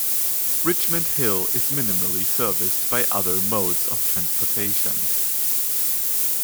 Richmond Hill is minimally serviced by other modes of transportation.